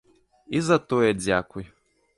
І за тое дзякуй.